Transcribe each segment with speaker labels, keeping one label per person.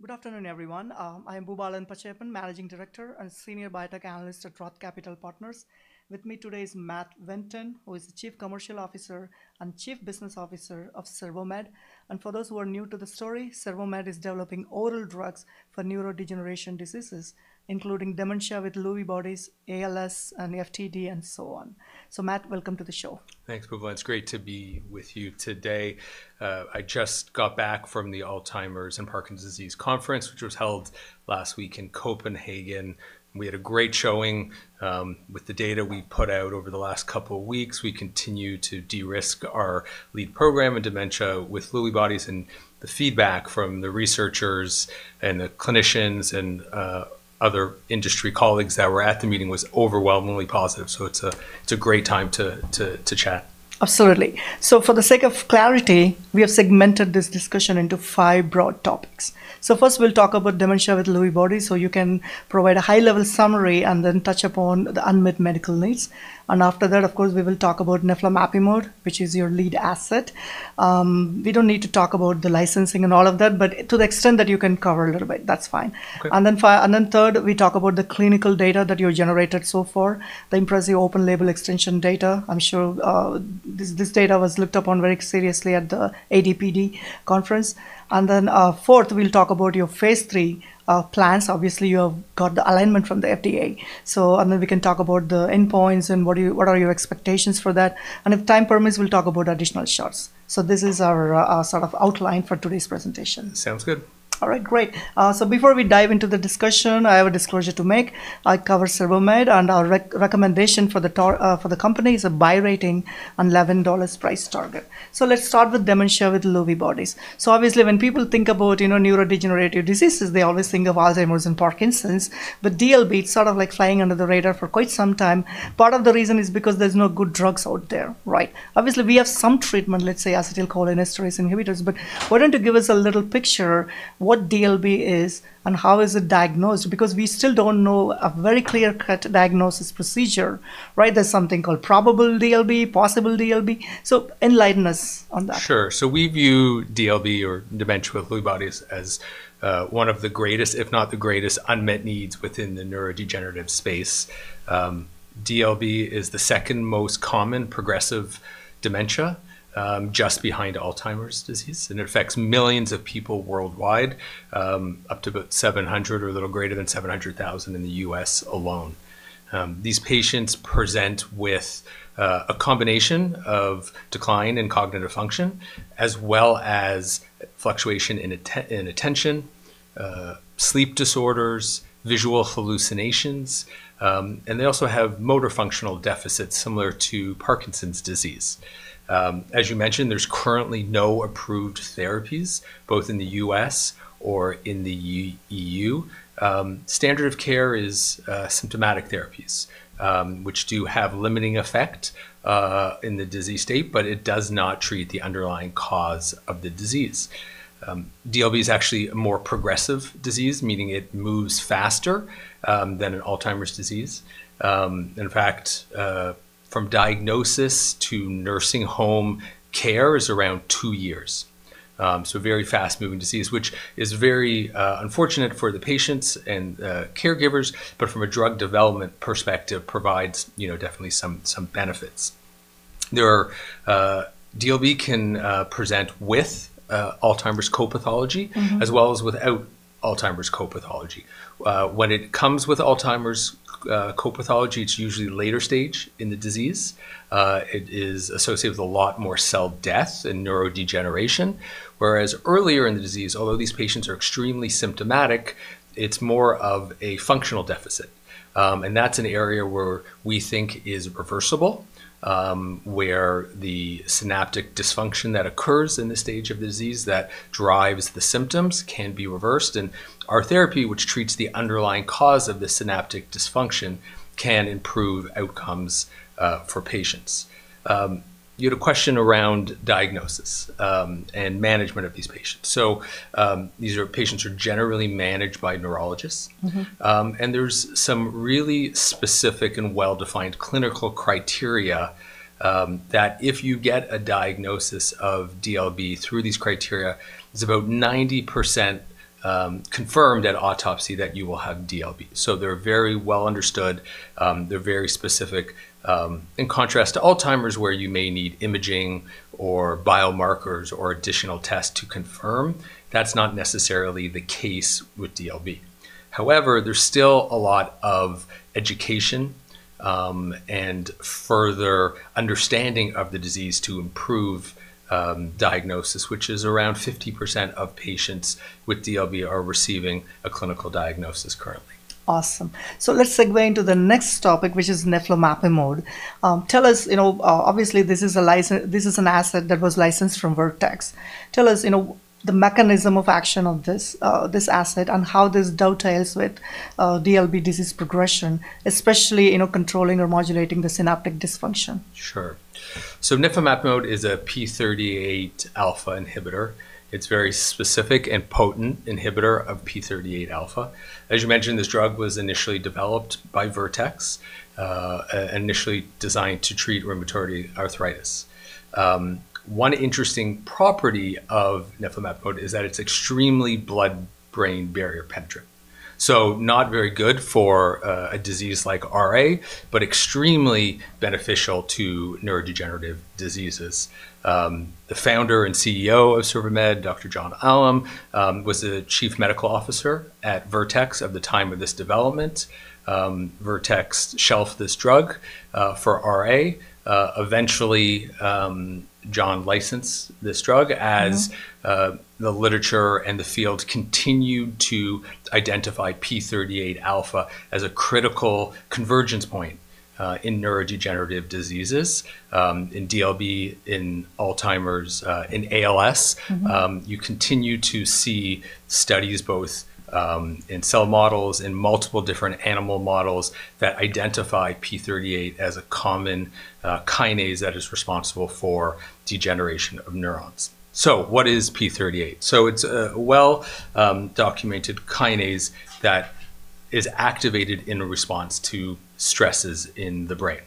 Speaker 1: Good afternoon, everyone. I am Boobalan Pachaiyappan, Managing Director and Senior Biotech Analyst at Roth Capital Partners. With me today is Matt Winton, who is the Chief Commercial Officer and Chief Business Officer of CervoMed. For those who are new to the story, CervoMed is developing oral drugs for neurodegenerative diseases, including dementia with Lewy bodies, ALS, and FTD, and so on. Matt, welcome to the show.
Speaker 2: Thanks, Boobalan. It's great to be with you today. I just got back from the Alzheimer's and Parkinson's Disease Conference, which was held last week in Copenhagen. We had a great showing with the data we put out over the last couple of weeks. We continue to de-risk our lead program in dementia with Lewy bodies, and the feedback from the researchers and the clinicians and other industry colleagues that were at the meeting was overwhelmingly positive. It's a great time to chat.
Speaker 1: Absolutely. For the sake of clarity, we have segmented this discussion into five broad topics. First, we'll talk about dementia with Lewy bodies, so you can provide a high-level summary and then touch upon the unmet medical needs. After that, of course, we will talk about neflamapimod, which is your lead asset. We don't need to talk about the licensing and all of that, but to the extent that you can cover a little bit, that's fine.
Speaker 2: Okay.
Speaker 1: Third, we talk about the clinical data that you generated so far, the impressive open-label extension data. I'm sure, this data was looked upon very seriously at the ADPD conference. Fourth, we'll talk about your phase III plans. Obviously, you have got the alignment from the FDA. We can talk about the endpoints and what are your expectations for that. If time permits, we'll talk about additional shots. This is our sort of outline for today's presentation.
Speaker 2: Sounds good.
Speaker 1: All right, great. Before we dive into the discussion, I have a disclosure to make. I cover CervoMed, and our recommendation for the company is a buy rating and $11 price target. Let's start with dementia with Lewy bodies. Obviously when people think about, you know, neurodegenerative diseases, they always think of Alzheimer's and Parkinson's. DLB, it's sort of like flying under the radar for quite some time. Part of the reason is because there's no good drugs out there, right? Obviously, we have some treatment, let's say acetylcholinesterase inhibitors. Why don't you give us a little picture what DLB is and how is it diagnosed? Because we still don't know a very clear-cut diagnosis procedure, right? There's something called probable DLB, possible DLB. Enlighten us on that.
Speaker 2: Sure. We view DLB or dementia with Lewy bodies as one of the greatest, if not the greatest, unmet needs within the neurodegenerative space. DLB is the second most common progressive dementia, just behind Alzheimer's disease, and it affects millions of people worldwide, up to about 700 or a little greater than 700,000 in the U.S. alone. These patients present with a combination of decline in cognitive function as well as fluctuation in attention, sleep disorders, visual hallucinations, and they also have motor functional deficits similar to Parkinson's disease. As you mentioned, there's currently no approved therapies in the U.S. or in the EU.. Standard of care is symptomatic therapies, which do have limiting effect in the disease state, but it does not treat the underlying cause of the disease. DLB is actually a more progressive disease, meaning it moves faster than Alzheimer's disease. In fact, from diagnosis to nursing home care is around two years. Very fast-moving disease, which is very unfortunate for the patients and caregivers, but from a drug development perspective provides you know definitely some benefits. DLB can present with Alzheimer's co-pathology.
Speaker 1: Mm-hmm...
Speaker 2: as well as without Alzheimer's co-pathology. When it comes with Alzheimer's co-pathology, it's usually later stage in the disease. It is associated with a lot more cell death and neurodegeneration. Whereas earlier in the disease, although these patients are extremely symptomatic, it's more of a functional deficit. That's an area where we think is reversible, where the synaptic dysfunction that occurs in this stage of disease that drives the symptoms can be reversed. Our therapy, which treats the underlying cause of the synaptic dysfunction, can improve outcomes for patients. You had a question around diagnosis and management of these patients. These are patients who are generally managed by neurologists.
Speaker 1: Mm-hmm.
Speaker 2: There's some really specific and well-defined clinical criteria that if you get a diagnosis of DLB through these criteria, it's about 90% confirmed at autopsy that you will have DLB. They're very well understood. They're very specific. In contrast to Alzheimer's, where you may need imaging or biomarkers or additional tests to confirm, that's not necessarily the case with DLB. However, there's still a lot of education and further understanding of the disease to improve diagnosis, which is around 50% of patients with DLB are receiving a clinical diagnosis currently.
Speaker 1: Awesome. Let's segue into the next topic, which is Neflamapimod. Tell us, you know, obviously, this is an asset that was licensed from Vertex. Tell us, you know, the mechanism of action of this asset and how this dovetails with DLB disease progression, especially, you know, controlling or modulating the synaptic dysfunction.
Speaker 2: Sure. Neflamapimod is a p38α inhibitors It's very specific and potent inhibitor of p38α. As you mentioned, this drug was initially developed by Vertex, initially designed to treat rheumatoid arthritis. One interesting property of neflamapimod is that it's extremely blood-brain barrier penetrant. Not very good for a disease like RA, but extremely beneficial to neurodegenerative diseases. The founder and CEO of CervoMed, Dr. John Alam, was the chief medical officer at Vertex at the time of this development. Vertex shelved this drug for RA. Eventually, John licensed this drug as-
Speaker 1: Mm-hmm...
Speaker 2: the literature and the field continued to identify p38α as a critical convergence point, in neurodegenerative diseases, in DLB, in Alzheimer's, in ALS.
Speaker 1: Mm-hmm.
Speaker 2: You continue to see studies both in cell models, in multiple different animal models that identify p38 as a common kinase that is responsible for degeneration of neurons. What is p38? It's a well documented kinase that is activated in response to stresses in the brain.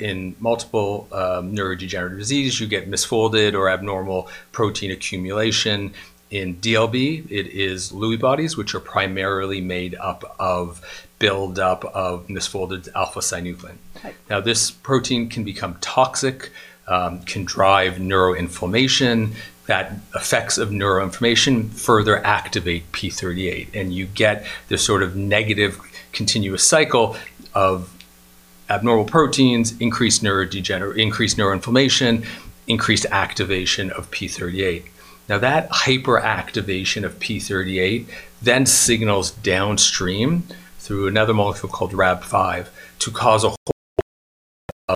Speaker 2: In multiple neurodegenerative disease, you get misfolded or abnormal protein accumulation. In DLB, it is Lewy bodies, which are primarily made up of build up of misfolded alpha-synuclein.
Speaker 1: Right.
Speaker 2: Now, this protein can become toxic, can drive neuroinflammation. Those effects of neuroinflammation further activate p38, and you get this sort of negative continuous cycle of abnormal proteins, increased neuroinflammation, increased activation of p38. Now that hyperactivation of p38 then signals downstream through another molecule called Rab5 to cause a whole host of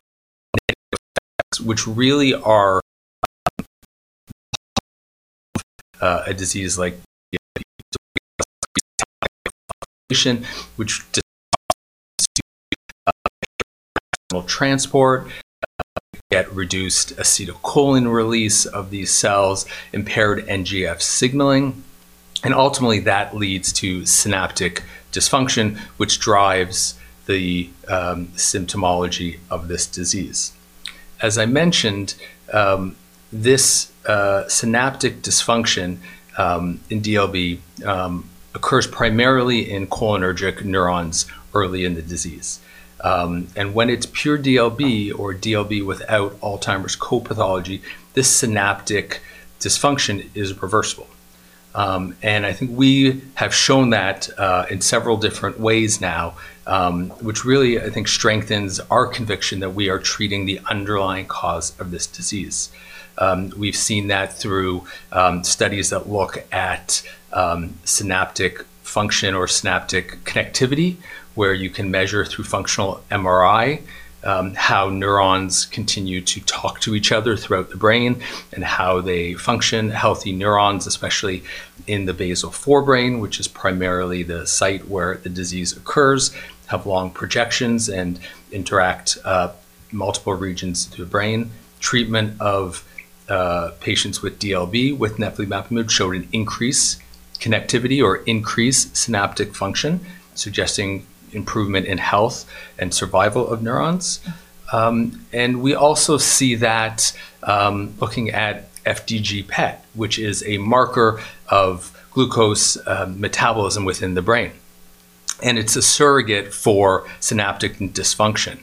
Speaker 2: negative effects, which really are a disease like DLB, which causes transport, reduced acetylcholine release of these cells, impaired NGF signaling, and ultimately that leads to synaptic dysfunction, which drives the symptomology of this disease. As I mentioned, this synaptic dysfunction in DLB occurs primarily in cholinergic neurons early in the disease. When it's pure DLB or DLB without Alzheimer's co-pathology, this synaptic dysfunction is reversible. I think we have shown that in several different ways now, which really I think strengthens our conviction that we are treating the underlying cause of this disease. We've seen that through studies that look at synaptic function or synaptic connectivity, where you can measure through functional MRI how neurons continue to talk to each other throughout the brain and how they function. Healthy neurons, especially in the basal forebrain, which is primarily the site where the disease occurs, have long projections and interact with multiple regions of the brain. Treatment of patients with DLB with neflamapimod showed an increased connectivity or increased synaptic function, suggesting improvement in health and survival of neurons. We also see that looking at FDG-PET, which is a marker of glucose metabolism within the brain, and it's a surrogate for synaptic dysfunction.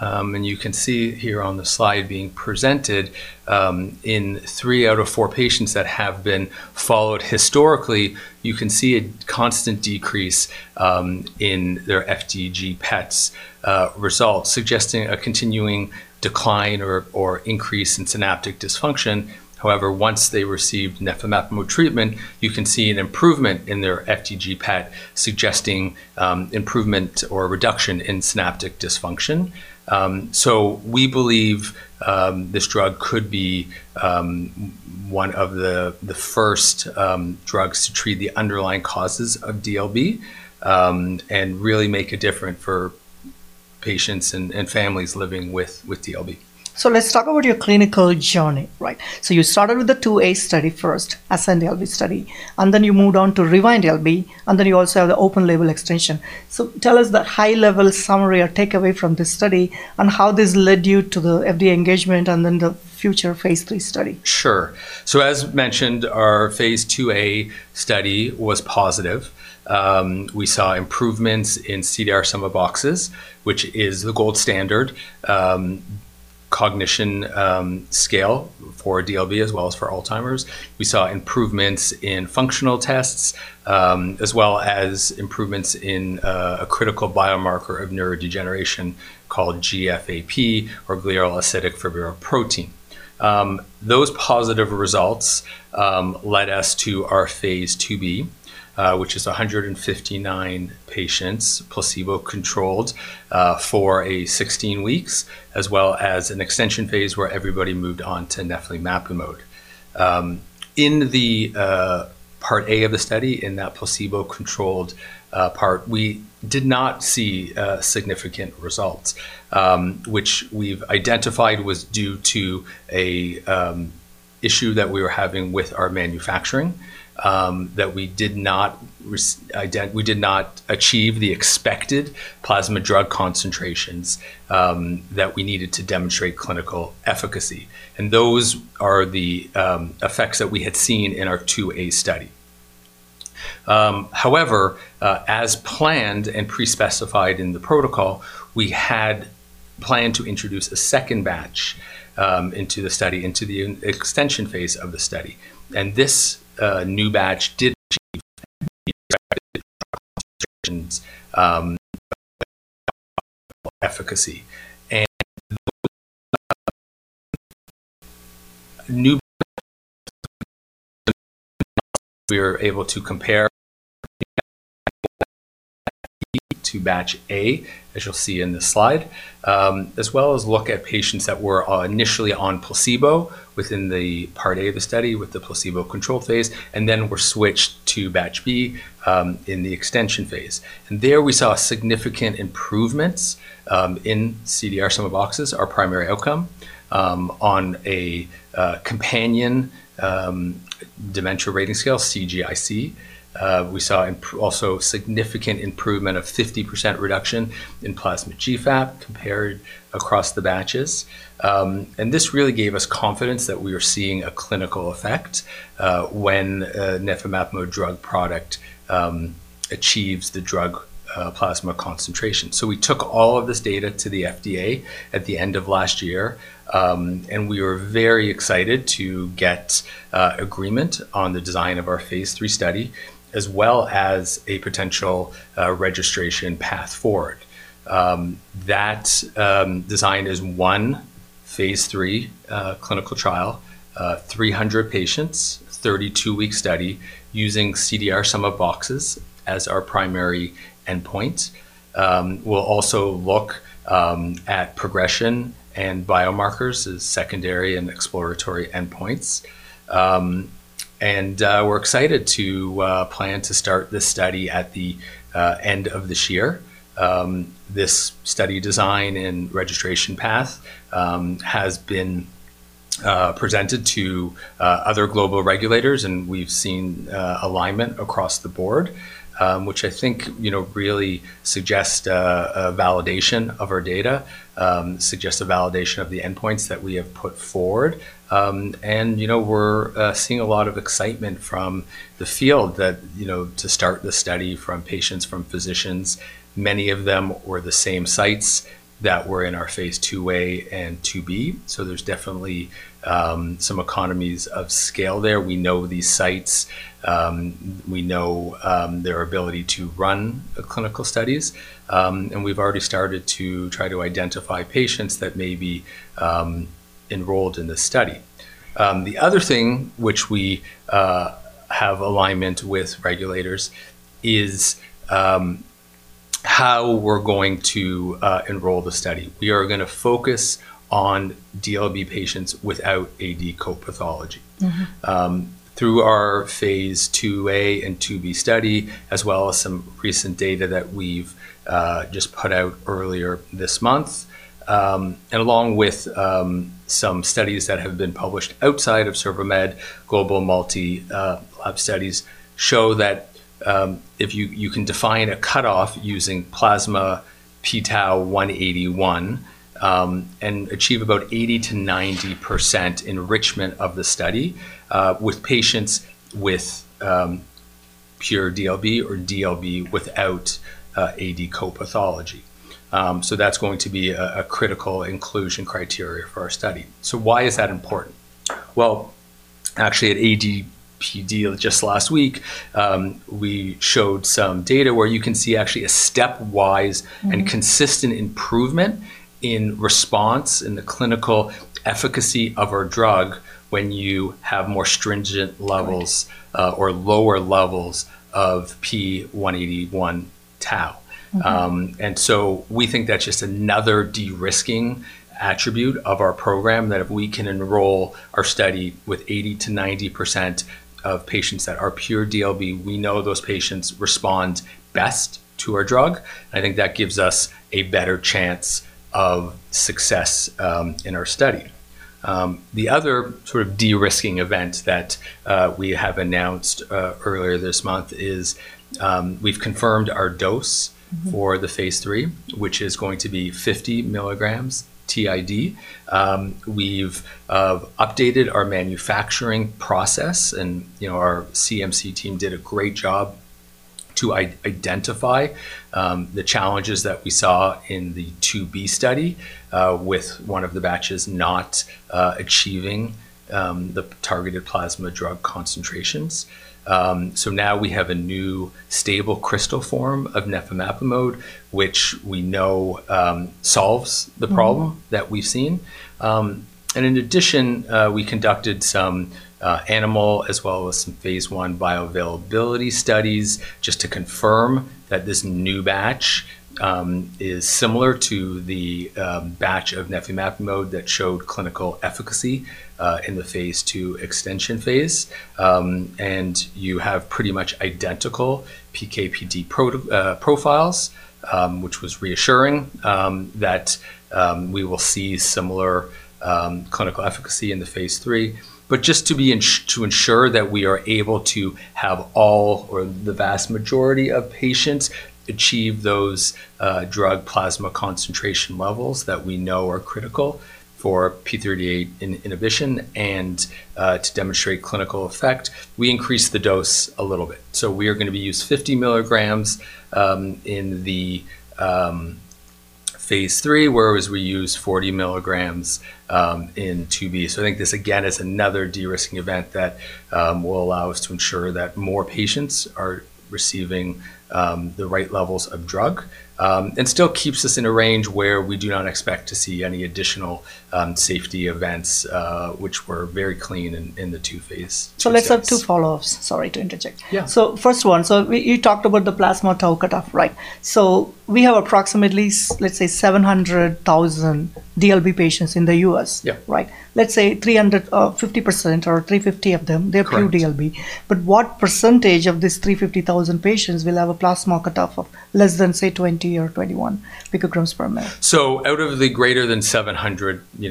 Speaker 2: You can see here on the slide being presented, in three out of four patients that have been followed historically, you can see a constant decrease in their FDG-PET results, suggesting a continuing decline or increase in synaptic dysfunction. However, once they received neflamapimod treatment, you can see an improvement in their FDG-PET suggesting improvement or reduction in synaptic dysfunction. We believe this drug could be one of the first drugs to treat the underlying causes of DLB and really make a difference for patients and families living with DLB.
Speaker 1: Let's talk about your clinical journey, right? You started with the 2A study first, AscenD-LB study, and then you moved on to RewinD-LB, and then you also have the open label extension. Tell us the high level summary or takeaway from this study and how this led you to the FDA engagement and then the future phase III study.
Speaker 2: Sure. As mentioned, our phase IIa study was positive. We saw improvements in CDR Sum of Boxes, which is the gold standard cognition scale for DLB as well as for Alzheimer's. We saw improvements in functional tests, as well as improvements in a critical biomarker of neurodegeneration called GFAP or glial fibrillary acidic protein. Those positive results led us to our phase IIb, which is 159 patients placebo-controlled for 16 weeks, as well as an extension phase where everybody moved on to neflamapimod. In the part A of the study, in that placebo-controlled part, we did not see significant results, which we've identified was due to a issue that we were having with our manufacturing, that we did not achieve the expected plasma drug concentrations that we needed to demonstrate clinical efficacy. Those are the effects that we had seen in our 2A study. However, as planned and pre-specified in the protocol, we had planned to introduce a second batch into the study, into the extension phase of the study. This new batch did achieve the targeted drug concentrations that led to our clinical efficacy. With that new batch, we were able to compare patients on Batch B to Batch A, as you'll see in this slide, as well as look at patients that were initially on placebo within the Part A of the study with the placebo control phase, and then were switched to Batch B in the extension phase. There we saw significant improvements in CDR Sum of Boxes, our primary outcome, on a companion dementia rating scale, CGIC. We saw also significant improvement of 50% reduction in plasma GFAP compared across the batches. This really gave us confidence that we were seeing a clinical effect when neflamapimod drug product achieves the drug plasma concentration. We took all of this data to the FDA at the end of last year, and we were very excited to get agreement on the design of our phase III study, as well as a potential registration path forward. That design is one phase III clinical trial, 300 patients, 32-week study, using CDR Sum of Boxes as our primary endpoint. We'll also look at progression and biomarkers as secondary and exploratory endpoints. We're excited to plan to start this study at the end of this year. This study design and registration path has been presented to other global regulators, and we've seen alignment across the board, which I think really suggests a validation of our data, suggests a validation of the endpoints that we have put forward. We're seeing a lot of excitement from the field to start the study from patients, from physicians. Many of them were the same sites that were in our phase IIa and IIb. There's definitely some economies of scale there. We know these sites. We know their ability to run clinical studies. We've already started to try to identify patients that may be enrolled in this study. The other thing which we have alignment with regulators is how we're going to enroll the study. We are going to focus on DLB patients without AD co-pathology. Through our phase IIa and IIb study, as well as some recent data that we've just put out earlier this month, and along with some studies that have been published outside of CervoMed, global multi-lab studies show that if you can define a cutoff using plasma pTau181 and achieve about 80%-90% enrichment of the study with patients with pure DLB or DLB without AD co-pathology. That's going to be a critical inclusion criteria for our study. Why is that important? Well, actually at ADPD just last week, we showed some data where you can see actually a stepwise and consistent improvement in response in the clinical efficacy of our drug when you have more stringent levels or lower levels of pTau181. We think that's just another de-risking attribute of our program that if we can enroll our study with 80%-90% of patients that are pure DLB, we know those patients respond best to our drug. I think that gives us a better chance of success in our study. The other sort of de-risking event that we have announced earlier this month is we've confirmed our dose for the phase III, which is going to be 50 mg TID. We've updated our manufacturing process and our CMC team did a great job to identify the challenges that we saw in the phase IIb study with one of the batches not achieving the targeted plasma drug concentrations. Now we have a new stable crystal form of neflamapimod, which we know solves the problem that we've seen. In addition, we conducted some animal as well as some phase I bioavailability studies just to confirm that this new batch is similar to the batch of neflamapimod that showed clinical efficacy in the phase II extension phase. You have pretty much identical PKPD profiles, which was reassuring that we will see similar clinical efficacy in the phase III. Just to ensure that we are able to have all or the vast majority of patients achieve those drug plasma concentration levels that we know are critical for p38 inhibition and to demonstrate clinical effect, we increased the dose a little bit. We are going to be using 50 mg in the phase III, whereas we use 40 mg in phase IIb. I think this again is another de-risking event that will allow us to ensure that more patients are receiving the right levels of drug and still keeps us in a range where we do not expect to see any additional safety events, which were very clean in the two phase II sets.
Speaker 1: Let's have two follow-ups. Sorry to interject.
Speaker 2: Yeah.
Speaker 1: You talked about the plasma tau cutoff, right? We have approximately, let's say, 700,000 DLB patients in the U.S.
Speaker 2: Yeah.
Speaker 1: Right? Let's say 350% or 350 of them.
Speaker 2: Correct.
Speaker 1: They're pure DLB. What % of these 350,000 patients will have a plasma cutoff of less than, say, 20 or 21 picograms per mL?
Speaker 2: Out of the greater than 700,000, you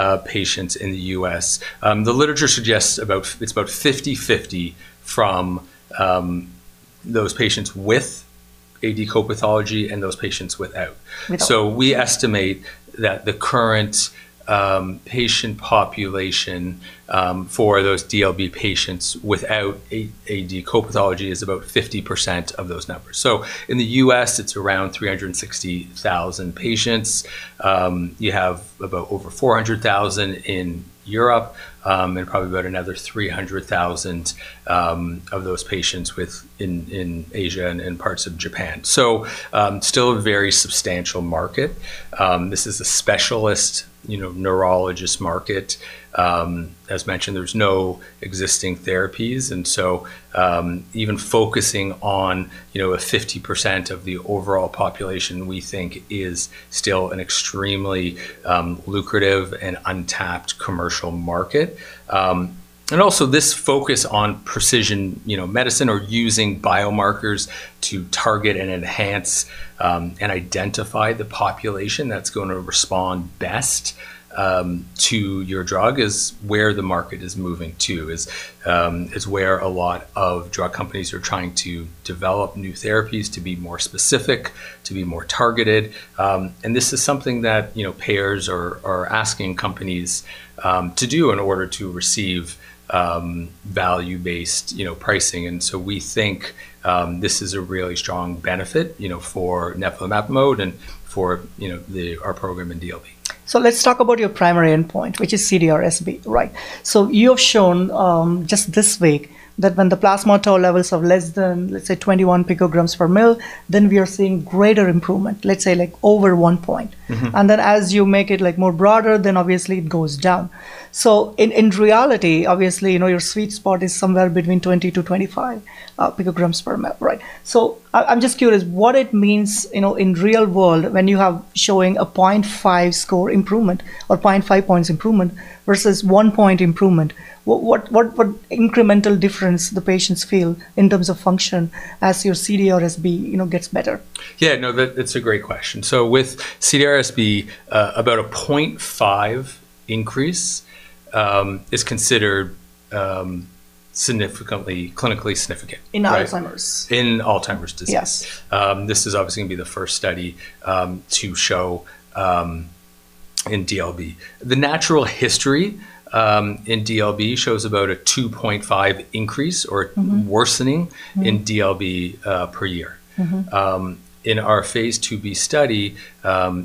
Speaker 2: know, patients in the U.S., the literature suggests it's about 50/50 from those patients with AD copathology and those patients without.
Speaker 1: Without.
Speaker 2: We estimate that the current patient population for those DLB patients without AD copathology is about 50% of those numbers. In the U.S., it's around 360,000 patients. You have about over 400,000 in Europe, and probably about another 300,000 of those patients in Asia and in parts of Japan. Still a very substantial market. This is a specialist, you know, neurologist market. As mentioned, there's no existing therapies, and so even focusing on, you know, a 50% of the overall population, we think is still an extremely lucrative and untapped commercial market. This focus on precision, you know, medicine or using biomarkers to target and enhance, and identify the population that's gonna respond best, to your drug is where the market is moving to. This is where a lot of drug companies are trying to develop new therapies to be more specific, to be more targeted. This is something that, you know, payers are asking companies, to do in order to receive, value-based, you know, pricing. We think this is a really strong benefit, you know, for neflamapimod and for, you know, our program in DLB.
Speaker 1: Let's talk about your primary endpoint, which is CDR SB, right? You have shown just this week that when the plasma tau levels of less than, let's say, 21 pg/mL, then we are seeing greater improvement, let's say like over 1 point.
Speaker 2: Mm-hmm.
Speaker 1: As you make it like more broader, then obviously it goes down. In reality, obviously, you know, your sweet spot is somewhere between 20-25 picograms per ml, right? I'm just curious what it means, you know, in real world when you have showing a 0.5 score improvement or 0.5 points improvement versus 1 point improvement. What incremental difference the patients feel in terms of function as your CDR SB, you know, gets better?
Speaker 2: Yeah, no, that's a great question. With CDR SB, about a 0.5 increase is considered clinically significant, right?
Speaker 1: In Alzheimer's.
Speaker 2: In Alzheimer's disease.
Speaker 1: Yes.
Speaker 2: This is obviously gonna be the first study to show in DLB. The natural history in DLB shows about a 2.5 increase or-
Speaker 1: Mm-hmm.
Speaker 2: -worsening-
Speaker 1: Mm-hmm.
Speaker 2: in DLB per year.
Speaker 1: Mm-hmm.
Speaker 2: In our phase IIb study,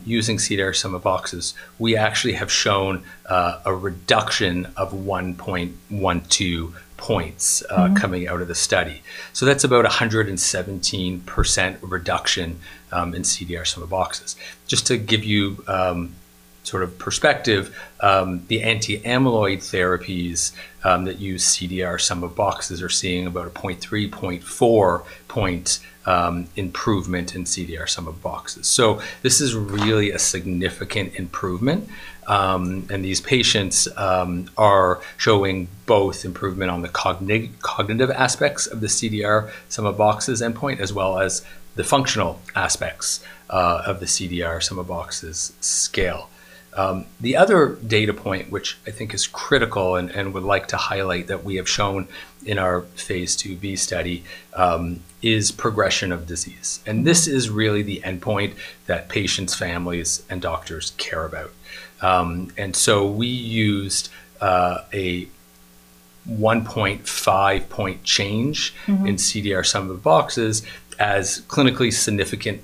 Speaker 2: using CDR Sum of Boxes, we actually have shown a reduction of 1.1 to 2 points coming out of the study. That's about 117% reduction in CDR Sum of Boxes. Just to give you sort of perspective, the anti-amyloid therapies that use CDR Sum of Boxes are seeing about a 0.3- to 0.4-point improvement in CDR Sum of Boxes. This is really a significant improvement. These patients are showing both improvement on the cognitive aspects of the CDR Sum of Boxes endpoint, as well as the functional aspects of the CDR Sum of Boxes scale. The other data point, which I think is critical and would like to highlight that we have shown in our phase IIb study, is progression of disease. This is really the endpoint that patients, families, and doctors care about. We used a 1.5-point change-
Speaker 1: Mm-hmm.
Speaker 2: in CDR Sum of Boxes as clinically significant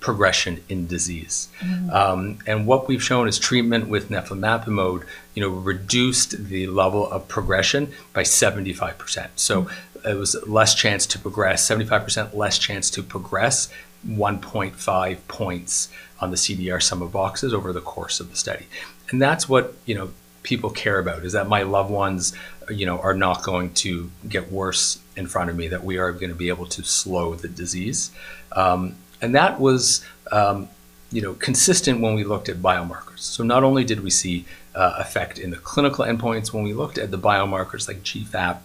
Speaker 2: progression in disease.
Speaker 1: Mm-hmm.
Speaker 2: What we've shown is treatment with neflamapimod, you know, reduced the level of progression by 75%. It was less chance to progress, 75% less chance to progress 1.5 points on the CDR Sum of Boxes over the course of the study. That's what, you know, people care about, is that my loved ones, you know, are not going to get worse in front of me, that we are gonna be able to slow the disease. That was, you know, consistent when we looked at biomarkers. Not only did we see effect in the clinical endpoints when we looked at the biomarkers like GFAP,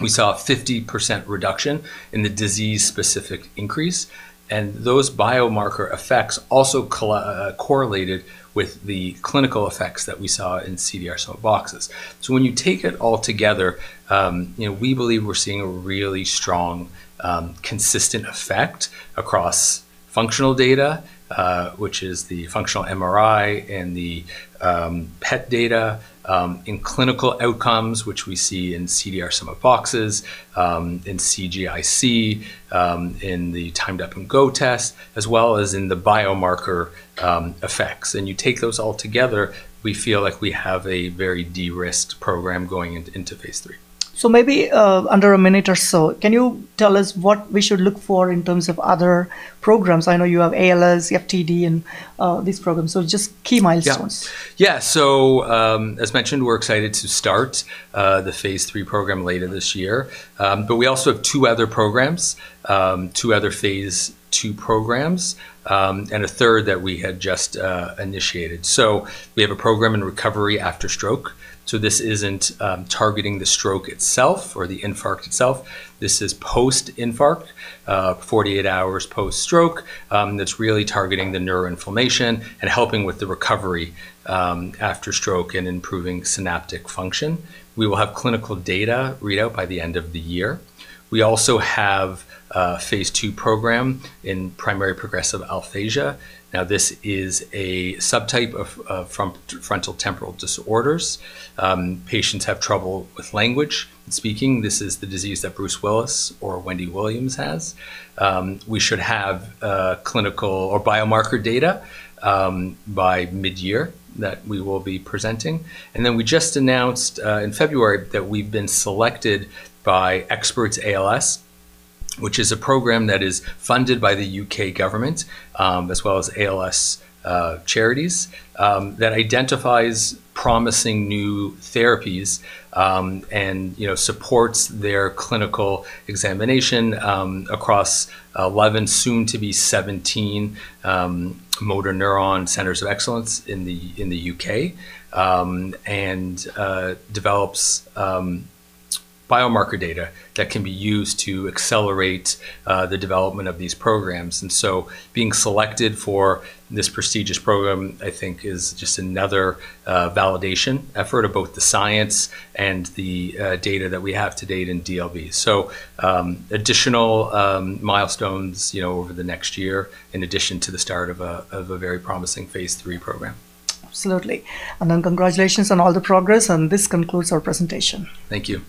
Speaker 2: we saw a 50% reduction in the disease-specific increase, and those biomarker effects also correlated with the clinical effects that we saw in CDR Sum of Boxes. When you take it all together, you know, we believe we're seeing a really strong, consistent effect across functional data, which is the functional MRI and the PET data, in clinical outcomes, which we see in CDR Sum of Boxes, in CGIC, in the Timed Up and Go test, as well as in the biomarker effects. You take those all together, we feel like we have a very de-risked program going into phase III.
Speaker 1: Maybe, under a minute or so, can you tell us what we should look for in terms of other programs? I know you have ALS, you have FTD, and these programs. Just key milestones.
Speaker 2: Yeah. Yeah. As mentioned, we're excited to start the phase III program later this year. We also have two other programs, two other phase II programs, and a third that we had just initiated. We have a program in recovery after stroke. This isn't targeting the stroke itself or the infarct itself. This is post-infarct, 48 hours post-stroke, that's really targeting the neuroinflammation and helping with the recovery, after stroke and improving synaptic function. We will have clinical data read out by the end of the year. We also have a phase II program in primary progressive aphasia. Now, this is a subtype of frontotemporal disorders. Patients have trouble with language and speaking. This is the disease that Bruce Willis or Wendy Williams has. We should have clinical or biomarker data by mid-year that we will be presenting. Then we just announced in February that we've been selected by ExPALS, which is a program that is funded by the U.K. government as well as ALS charities that identifies promising new therapies and you know supports their clinical examination across 11, soon to be 17, motor neuron centers of excellence in the U.K. and develops biomarker data that can be used to accelerate the development of these programs. Being selected for this prestigious program, I think, is just another validation effort of both the science and the data that we have to date in DLB. Additional milestones, you know, over the next year in addition to the start of a very promising phase III program.
Speaker 1: Absolutely. Congratulations on all the progress. This concludes our presentation.
Speaker 2: Thank you.